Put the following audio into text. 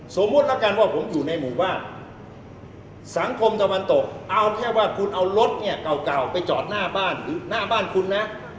สมมุติแล้วกันว่าผมอยู่ในหมู่บ้านสังคมตะวันตกเอาแค่ว่าคุณเอารถเนี่ยเก่าไปจอดหน้าบ้านหรือหน้าบ้านคุณนะ